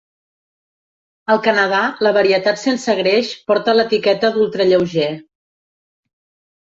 Al Canadà, la varietat sense greix porta l'etiqueta d'ultralleuger.